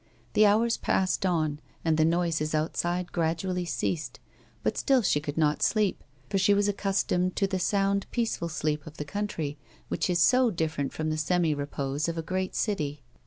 Tiie hours passed on, and the noises outride gradually ceased, A WOMAN'S LIFE. 2i5 but still she could not sleep, for she was accustomed to the sound, peaceful sleep of the country, which is so different from the semi repose of a great city.